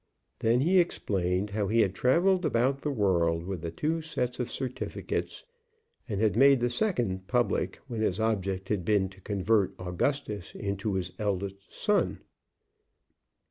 Then he explained how he had travelled about the world with the two sets of certificates, and had made the second public when his object had been to convert Augustus into his eldest son.